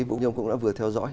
vũ nhâm cũng đã vừa theo dõi